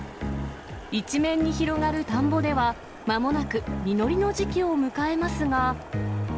一面に広がる田んぼでは、まもなく実りの時期を迎えますが。